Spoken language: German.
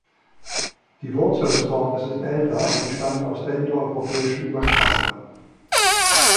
Die Wurzel des Wortes ist älter und stammt aus der indoeuropäischen Ursprache.